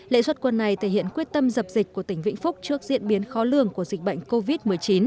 lệ xuất quân này thể hiện quyết tâm dập dịch của tỉnh vĩnh phúc trước diễn biến khó lường của dịch bệnh covid một mươi chín